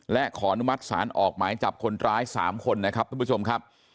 และขออนุมัติศาลออกหมายจับคนร้าย๓คนนะครับทุกผู้ชมครับ